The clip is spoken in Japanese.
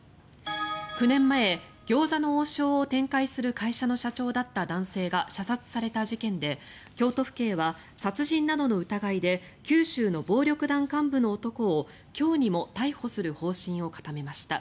９年前餃子の王将を展開する会社の社長だった男性が射殺された事件で京都府警は殺人などの疑いで九州の暴力団幹部の男を今日にも逮捕する方針を固めました。